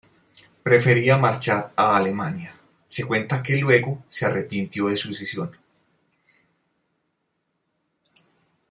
Prefería marchar a Alemania; se cuenta que, luego, se arrepintió de su decisión.